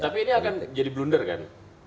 tapi ini akan jadi blunder kan